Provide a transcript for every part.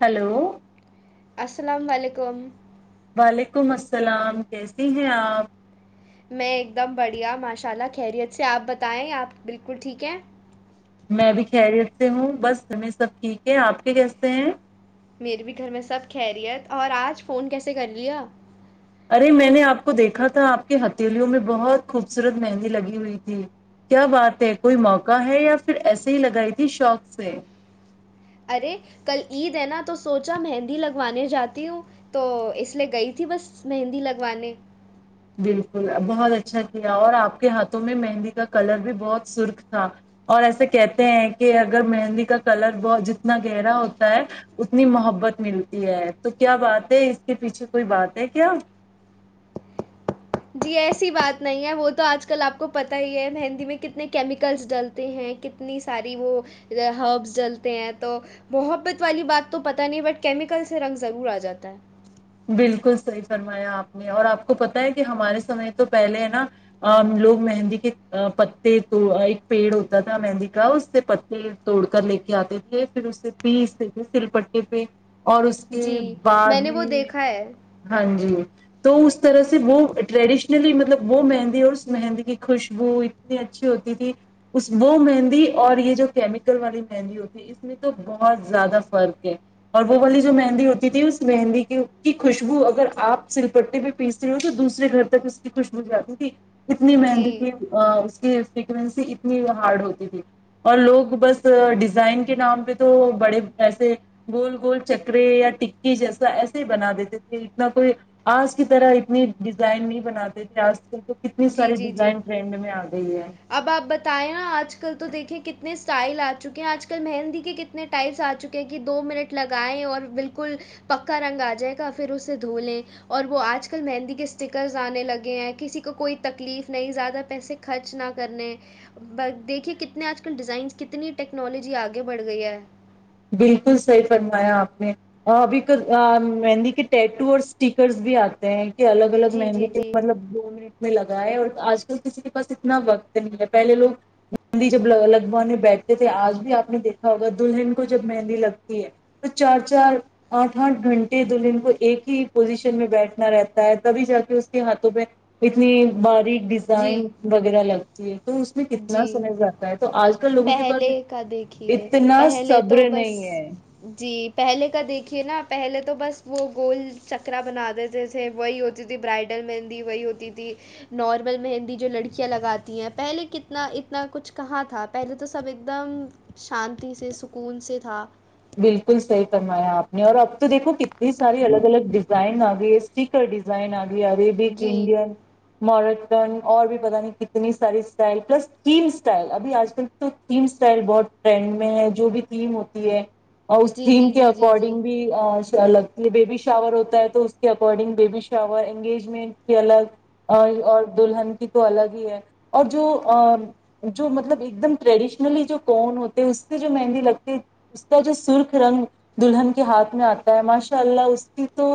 Hello السلام وعلیکم وعلیکم السلام کیسی ہیں آپ میں ایک دم بڑھیا ماشاء اللہ خیریت سے آپ بتائیں آپ بلکل ٹھیک ہے میں بھی خیریت سے ہوں بس ہمیں سب ٹھیک ہے آپ کے کیسے ہیں میرے بھی گھر میں سب خیریت اور آج فون کیسے کر لیا ارے میں نے آپ کو دیکھا تھا آپ کے ہتھیلیوں میں بہت خوبصورت مہندی لگی ہوئی تھی کیا بات ہے کوئی موقع ہے یا پھر ایسے ہی لگائی تھی شوق سے ارے کل عید ہے نا تو سوچا مہندی لگوانے جاتی ہوں تو اس لیے گئی تھی بس مہندی لگوانے بالکل بہت اچھا کیا اور آپ کے ہاتھوں میں مہندی کا کلر بھی بہت سرخ تھا اور ایسا کہتے ہیں کہ اگر مہندی کا کلر بہت جتنا گہرا ہوتا ہے اتنی محبت ملتی ہے تو کیا بات ہے اس کے پیچھے کوئی بات ہے کیا جی ایسی بات نہیں ہے وہ تو آج کل آپ کو پت ہی ہے مہندی میں کتنے کیمیکلس ڈلتے ہیں کتنی ساری وہ ہربس ڈلتے ہیں تو محبت والی بات تو پت نہیں بٹ کیمیکل سے رنگ ضرور آ جاتا ہے بالکل صحیح فرمایا آپ نے اور آپ کو پتا ہے کہ ہمارے سمے تو پہلے ہے نا لوگ مہندی کے پتے تو ایک پیڑ ہوتا تھا مہندی کا اس سے پتے توڑ کر لے کے آتے تھے پھر اس سے پیستے تھے سل پے پہ اور اس جی کے بعد نے وہ میں دیکھا ہے ہاں جی تو اس اس طرح سے وہ ٹریڈیشنلی مطلب وہ مہندی اور اس مہندی کی خوشبو اتنی اچھی ہوتی تھی اس وہ مہندی اور یہ جو کیمیکل والی مہندی ہوتی ہے اس میں تو بہت زیادہ فرق ہے اور وہ والی جو مہندی ہوتی تھی اس مہندی کی کی خوشبو اگر آپ سل پٹے پہ پیستے ہو تو دوسرے گھر تک اس کی خوشبو جاتی تھی کتنی مہندی جی، کی اس کی فیکوینسی اتنی ہارڈ ہوتی تھی اور لوگ بس ڈیزائن کے نام پہ تو بڑے ایسے گول گول چکرے یا ٹکی جیسا ای بنا دیتے تھے اتنا کوئی آج کی طرح اتنی ڈیزائن نہیں بناتے تھے آج کل تو کتنی جی ساری جی جی ڈیزائن ٹرینڈ میں آ گئی ہے اب آپ بتائ نا آج کل تو دیکھیں کتنے اسٹائل آ چکے ہیں آج کل مہندی کے کتنے ٹائلس آ چکے ہیں کہ دو منٹ لگائائے اور بالکل پکا رنگ آ جائے گا پھر اسے دھو لیں اور وہ آج کل مہندی کے اسٹکرز آنے لگے ہیں کسی کو کوئی تکلیف نہیں زیادہ پیسے خرچ نہ کرنے ب دیکھیے کتنے آج کل ڈیزائنس کتنی ٹیکنالوجی آگے بڑھ گئی ہے بالکل صحیح فرمایا آپ نے ابھی تو مہندی کے ٹیٹو اور اسٹیکرس بھی آتے ہیں الگ الگ جی، مہندی جی، کے جی، مطلب د میں میں لگا ہے اور آج کل کسی کے پاس اتنا وقت نہیں ہے پہلے لوگ گندی جب لگوانے بیٹھتے تھے آج بھی آپ نے دیکھا ہوگا دلہن جب مہندی لگتی ہے تو چار چار آٹھ آٹھ گھنٹے دلہن کو ایک ہی پوزیشن میں بیٹھنا رہتا ہے تبھی جا کے اس کے ہاتھوں پ اتنی بارش ڈیزائن جی، وغیرہ لگتی ہے تو اس میں کتنا جی۔ سمے جاتا ہے تو آج کل لوگوں کے پاس پہلے کا دیکھیے اتنا پہلے تو صبر بس نہیں ہے جی پہلے کا دیکھیے نا آپ پہلے تو بس وہ گول چکرا بنا دیتے تھے وہی ہوتی تھی برائڈل مہندی وہی ہوتی تھی نارمل مہندی جو لڑکیاں لگاتی ہیں پہلے کتنا اتنا کچھ کہاں تھا پہلے تو سب ایک دم شانتی سے سکون سے تھا بالکل صحی کرمایا آپ نے اور اب تو دیکھو کتنی ساری الگ الگ ڈیزائن آگئی اسٹیکر ڈیزائن آگئی عربک جی انڈین مورٹرن اور بھی پتہ نہیں کتنی ساری اسٹائل پلس تھیم اسٹائل ابھی آج کل تو تھیم اسٹائل بہت ٹرینڈ میں ہے جو بھی تھیم ہوتی ہے اور اس جی تھیم جی کے جی جی جی اکارڈنگ بھی الگ بیبی شاور ہوتا ہے تو اس کے اکارڈنگ بیبی شاور انگیجمنٹ کی الگ اور دلہن کی تو الگ ہی ہے اور جو جو مطلب ایک دم ٹریڈیشنلی جو کون ہوتے اس سے جو مہندی لگتی جو سرخ رنگ دلہن کے ہاتھ میں آتا ہے ماشاء اللہ اس کی تو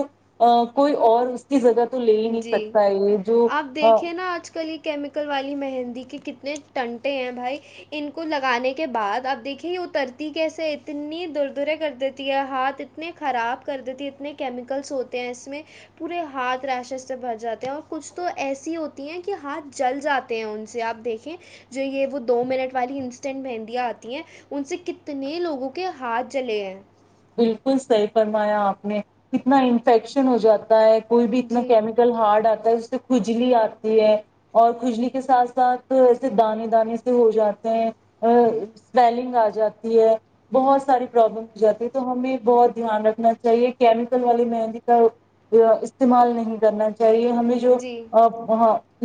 کوئی اور اس کی جگہ تو لے ہی نہیں جی سکتا یہ جو آپ دیکھیے نا آج کل یہ کیمیکل والی مہندی کے کتنے ٹنٹے ہیں بھائی ان کو لگانے کے بعد اب دیکھیے یہ اترتی کیسے ہے اتنی دور دورے کر دیتی ہے ہاتھ اتنے خراب کر دیتی ہے اتنے کیمیکلس ہوتے ہیں اس میں پورے ہاتھ تھریشز سے بھر جاتے ہیں اور کچھ تو ایسی ہوتی ہیں کہ ہاتھ جل جاتے ہیں ان سے آپ دیکھیں جو یہ وہ دو منٹ والی انسٹینٹ مہندیاں آتی ہیں ان سے کتنے لوگوں کے ہاتھ جلے ہیں بالکل صحیح فرمایا آپ نے کتنا انفیکشن ہو جاتا ہے کوئی بھی اتنا جی کیمیکل ہارڈ آتا ہے کھجلی آتی ہے اور کھجلی کے ساتھ ساتھ ایسے دانے دانے سے ہو جاتے ہیں اسویلنگ آ جاتی ہے بہت ساری پرابلم ہو جاتی تو ہمیں بہت دھیان رکھنا چاہیے کیمیکل والی مہندی کا استعمال نہیں کرنا چاہ چاہیے ہمیں جو جی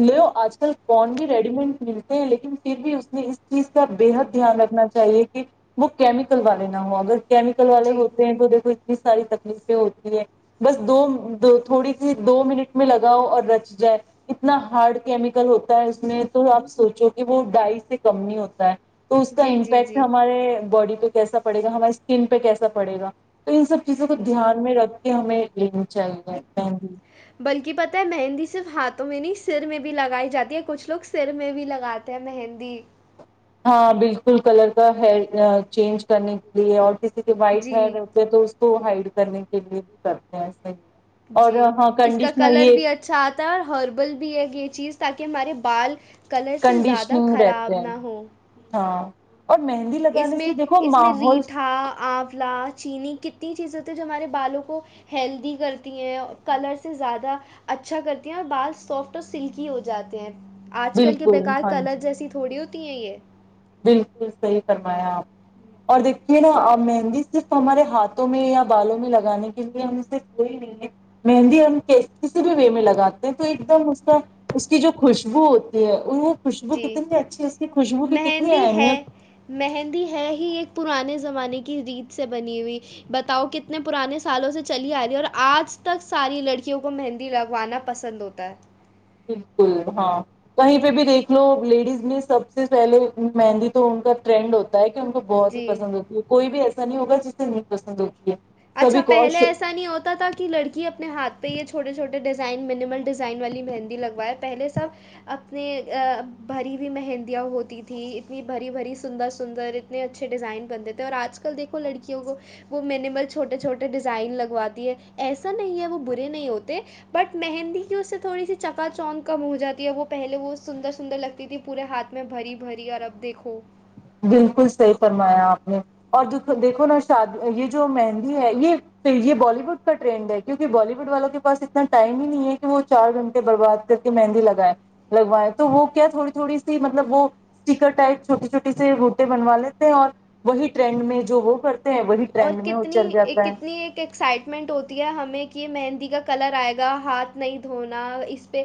لو آج کل کون بھی ریڈی مڈ ملتے ہیں لیکن پھر بھی اس نے اس چیز کا بےحد دھیان رکھنا چاہیے کہ وہ کیمیکل والے نہ ہو اگر ل والے جی ہوتے ہیں وہ کو انی ساری تکلیفیں ہوتی ہے بس دو دو تھوڑی سی دو منٹ میں لگاؤ اور رچ جائے اتنا ہارڈ کیمیکل ہوتا ہے اس میں تو آپ سوچو کہ وہ ڈائی سے کم نہیں ہوتا ہے تو اس کا جی جی امپیکٹ جی ہمارے باڈی کیسا پڑےا ہماری اسکن پہ کیسا پڑے گا تو ان سب چیزوں کو جی دھیان میں رکھ کے ہمیں ل چل [unintelligible] بلکہ پت ہے مہندی صرف ہاتھ میں نہیں سر میں بھی لگائی جاتی ہے کچھ لوگ سر میں بھی لگاتے ہیں مہندی ہاں بالکل کلر کا ہیئر چینج کرنے کے لیے اور کسی کی وائٹ جی ہیر ہوتے ہے تو کو ہائڈ کرنے کے لیے بھی کرتے ہیں ہی۔ اور جی ہاں اس کا کنڈیشنر کلر یہ بھی اچھا آتا ہے اور ہربل بھی ہے یہ چیز تاکہ ہمارے بال کلر سے زیادہ کنڈیشننگ رہتے خراب نہ ہیں ہوں ہاں اور مہندی اس لگانے میں سے دیکھو اس میں ماحول ریٹھا آولا چینی کتنی چیزیں تو جو ہمارے بالوں کو ہیلدی کرتی ہیں اور کلر سے زیادہ اچھا کرتی ہیں اور بال سافٹ اور سلکی ہو جاتے ہیں آج کل کے بالکل بےیکار ہاں جی کلر جیسی تھوڑی ہوتی ہیں یہ بالکل صحیح فرمایا آپ نے اور دیکھیے نا مہندی صرف ہمارے ہاتھوں میں یا بالوں میں لگانے کے لیے ہم کوئی نہیں ہے مہندی ہم کسی بھی وے میں لگاتے ہیں تو ایک دم اس کا اس کی جو خوشبو ہوتی ہے وہ خوشبو کتنی اچھی اس کی خوشبو بھی کتنی ندی ہے اہمیت مہندی ہے ہی ایک پرانے ز زمانے کی ریت سے بنی ہوئی بتاؤ کتنے پرانے سالوں سے چلی آ رہی اور آج تک ساری لڑکیوں کو مہندی لگوانا پسند ہوتا ہے بالکل ہاں کہیں پہ بھی دیکھ لو لیڈیز میں سب سے پہلے مہندی تو ان کا ٹرینڈ ہوتا ہے ان کو بہت ہی جی پسند ہوتی ہے کوئی بھی ایسے ا نہیں ہوگا جسے ن پسند ہوتی ہے اچھا سبھی کو اور پہلے ش- ایسا نہیں ہوتا تھا کہ لڑکی اپنے ہاتھ تو یہ چھوٹے چھوٹے ڈیزائن میننیمل ڈیزائن والی مہندی لگواائے پہلے سب اپنے بھری ہوئی مہندیاں ہوتی تھیں اتنی بھری بھری سندر سندر اتنے اچھے ڈیزائن بنتے تھے اور آج کل دیکھو لڑکیوں کو وہ میں نے چھوٹے چھوٹے ڈیزائن لگواتی ہے ایسا نہیں ہے وہ برے نہیں ہوتے بٹ مہندی کی اس سے تھوڑی سی چکا چک کم ہو جاتی ہے وہ پہلے وہ سندر سندر لگتی تھی پورے ہاتھ میں بری بھری اور اب دیکھو بالکل صحیح فرمایا آپ نے اور د دیکھو نا شاد یہ جو مہندی ہے یہ یہ بالی ووڈ کا ٹرینڈ ہے کیونکہ بالی وڈ والوں کے پاس اتنا ٹائم ہی نہیں ہے کہ وہ چار گھنٹے برباد کر کے مہندی لگائےیں لگوائےیں تو وہ کیا تھوڑی تھوڑی سی مطلب وہ اسٹیکر ٹائپ چھوٹی چھوٹی سے روٹے بنوا لیتے ہیں اور وہی ٹرینڈ میں جو وہ کرتے ہیں وہی اور ٹرینڈ میں وہ چل کتنی جاتا ہے کتنی ایک ایکسائٹ ٹ ہوتی ہے ہمیں کہ مہندی کا کلر آئے گا ہاتھ نہیں دھونا اس پہ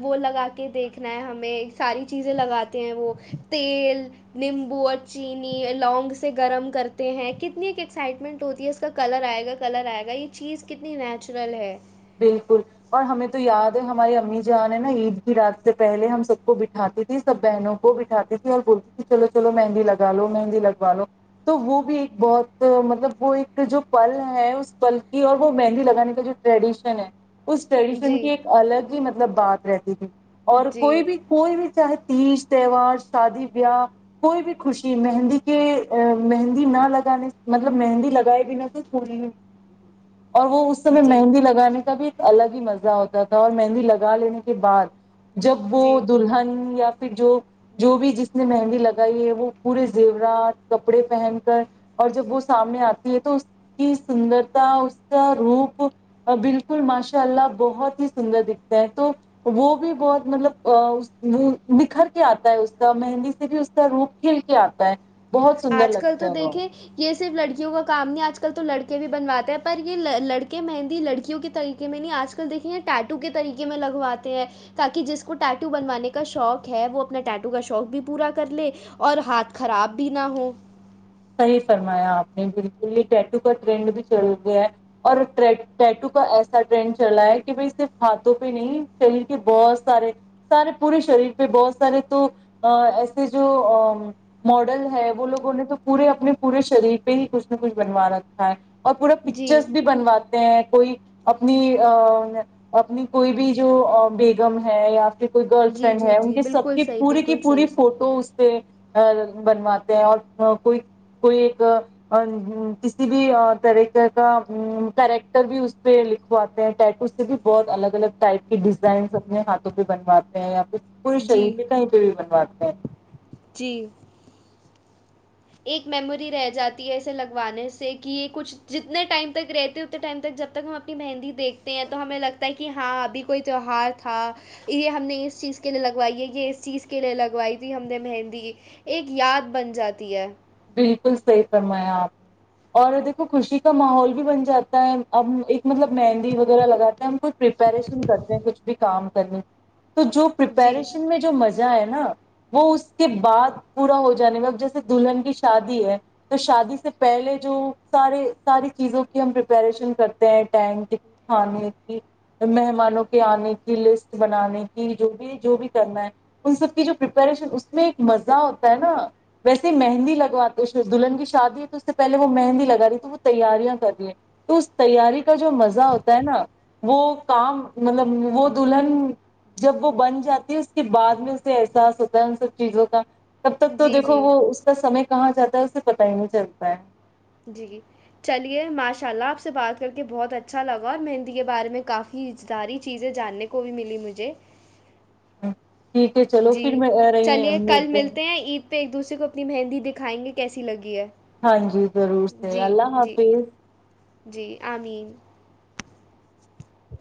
وہ لگا کے دیکھنا ہے ہمیں ساری چیزیں لگاتے ہیں وہ تیل نیمبو اور چینی لونگ سے گرم کرتے ہیں کتنی ایکسائٹمنٹ ہوتی ہے اس کا کلر آئے گا کلر آئے گا یہ چیز کتنی نیچرل ہے بالکل اور ہمیں تو یاد ہے ہماری امی جان ہے نا عید کی رات سے پہلے ہم سب کو بٹھاتی تھی سب بہنوں کو بٹھاتی تھی اور بولتی تھی چلو چلو مہندی لگا لو مہندی لگوا لو تو وہ بھی ایک بہت مطلب وہ ایک جو پل ہے اس پل کی اور وہ مہندی لگانے کا جو ٹریڈیشن س ہے اس ٹریڈیشن جی کی ایک الگ ہی مطلب بات رہتی تھی اور جی کوئی بھی کوئی بھی چاہے تیج تہوار شادی بیا کوئی بھی خوشی مہندی کے ا مہندی نہ لگانے مطلب مہندی لگائے بھی نہ تھ کوئی اور وہ اس سمے جی مہندی لگانے الگ ہی مزہ ہوتا تھا اور مہندی لگا لینے کے بعد جب وہ جی دلہن یا پھر جو جو بھی جس نے مہندی لگائی ہے وہ پورے زیورات کپڑے پہن کر اور جب وہ سامنے آتی ہے تو اس کی سندرتا اس کا روپ بالکل ماشاء اللہ بہت ہی سندر دکھتے ہیں تو وہ بھی بہت مطلب بکھر کے آتا ہے اس کا مہندی سے بھی اس کا روپ کھیل کے آتا ہے بہت سندر آج کل لگتا تو ہے وہ دیکھیں یہ صرف لڑکیوں کا کام نہیں آج کل تو لڑکے کے بھی بنواتے ہیں پر یہ لڑکے مہندی لڑکیوں کے طریقے میں نہیں آج کل دیکھیں گ ٹیٹو کے طریقے میں لگواتے ہیں تاکہ جس کو ٹیٹو بنوانے کا شوق ہے وہ اپنا ٹیٹو کا شوق بھی پورا کر لے اور ہاتھ خراب بھی نہاہ صحیح فرمایا آپ نے بالکل یہ ٹیٹو کا ٹرینڈ بھی چل گیا ہے اور ٹیٹو کا ایسا ٹرینڈ چلا ہے کہ بھائی صرف ہاتھوں پہ نہیں شریر کے بہت سارے سارے پورے شریر پہ بہت سارے تو ایسے جو ماڈل ہے وہ لوگوں نے تو پورے اپنے پورے شریر پہ ہی کچھ نہ کچھ بنوا رکھا ہے اور پورا جی پکچرس بھی بنواتے ہیں کوئی اپنی اپنی کوئی بھی جو بیگم ہے یا کوئی گرل جی فرینڈ جی ہے ان جی کی سب بالکل کی صحیح پوری کی بالکل پوری صحیح فوٹو اس پہ بنواتے ہیں اور کوئی کوئی ایک کسی بھی طریقے کا کیریکٹر بھی اس پہ لکھواتے ہیں ٹیٹو سے بھی بہت الگ الگ ٹائپ کے ڈیزائنس اپنے ہاتھوں پہ بنواتے ہیں پورے جی شہید بھی کہیں پہ بھی منواتے ہیں جی ایک میموری رہ جاتی ہے اسے لگوانے سے کہ یہ کچھ جتنے ٹائم تک رہتے اتنے ٹائم تک جب تک ہم اپنی مہندی دیکھتے ہیں تو ہمیں لگتا ہے کہ ہاں ابھی کوئی تہوہار تھا یہ ہم نے اس چیز کے لیے لگوائی ہے یہ اس چیز کے لیے لگوائی تھی ہم نے مہندی ایک یاد بن جاتی تی ہے بالکل صحیح فرمایا آپ نے اور دیکھو خوشی کا ماحول بھی بن جاتا ہے اب ایک مطلب مہندی وغیرہ لگاتے ہیں ہم کچھ پپریشن کرتے ہیں کچھ بھی کام کرنے کی تو جو جی پریپریشن میں جو مزہ ہے نا وہ اس کے بعد پورا ہو جانے میں ا جیسے دلہن کی شادی ہے تو شادی سے پہلے جو سارے ساری چیزوں کی ہم پپریشن کرتے ہیں ٹینک کی کھانے کی مہمانوں کے آنے کی لسٹ بنانے کی جو بھی جو بھی کرنا ہے ان سب کی جو پپریشن اس میں ایک مزہ ہوتا ہے نا ویسے مہندی لگ لگواتے دلہن کی شادی ہے تو اس سے پہلے وہ مہندی لگا رہی تھی وہ تیاریاں کر رہی ہیں تو اس تیاری کا جو مزہ ہوتا ہے نا وہ کام مطلب وہ دلہن جب وہ بن جاتی ہے اس کے بعد میں اسے احساس ہوتا ہے ان سب چیزوں کا تب تک تو جی دیکھو جی وہ اس کا سمے کہاں جاتا ہے اسے پتا ہی نہیں چلتا ہے جی جی چلیے ماشاء اللہ آپ سے بات کر کے بہت اچھا لگا اور میں ہندی کے بارے میں کافی اداری چیزیں جاننے کو بھی ملی مجھے ہ ٹھیک ہے چلو پھر جی میں رہی ہ چلیے امی کل د ملتے ہیں عید پہ ایک دوسرے کو اپنی مہندی دکھائیں گے کیسی لگی ہے ہاں جی ضرور سےی جی اللہ جی حافظ جی آمین [unintelligible]